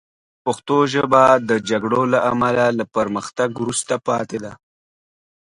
پښتو ژبه د جګړو له امله له پرمختګ وروسته پاتې ده